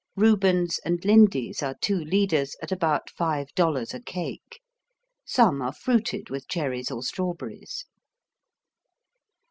Reuben's and Lindy's are two leaders at about five dollars a cake. Some are fruited with cherries or strawberries.